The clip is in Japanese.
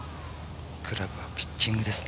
クラブはピッチングですね。